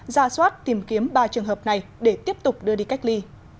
ra soát tìm kiếm ba trường hợp này để tiếp tục đưa đi cách ly